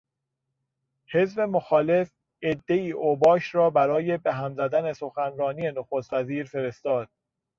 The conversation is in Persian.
حزب مخالف عدهای اوباش را برای بهم زدن سخنرانی نخستوزیر فرستاد.